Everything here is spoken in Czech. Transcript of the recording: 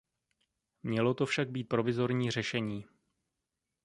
Mělo to však být provizorní řešení.